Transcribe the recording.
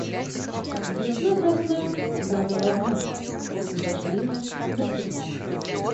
Весна красна, да голодна; осень дождлива, да сыта.